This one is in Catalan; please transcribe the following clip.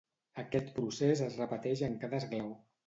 Aquest procés es repeteix en cada esglaó.